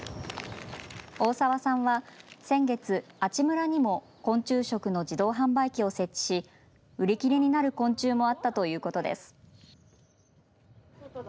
大澤さんは先月、阿智村にも昆虫食の自動販売機を設置し売り切れになる昆虫もあったということです。